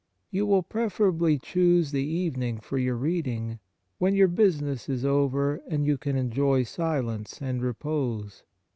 You will preferably choose the evening for your reading, when your business is over and you can enjoy silence and repose.